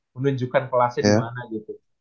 menunjukkan kelasnya dimana gitu